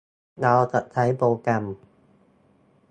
เราจะใช้โปรแกรม